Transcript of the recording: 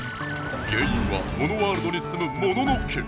原いんはモノワールドにすむモノノ家！